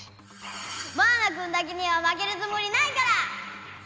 回そうマウナくんだけにはまけるつもりないから！